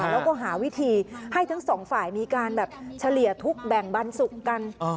แล้วก็หาวิธีให้ทั้งสองฝ่ายมีการแบบเฉลี่ยทุกข์แบ่งบันสุขกัน